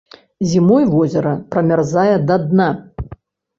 Зімой возера прамярзае да дна.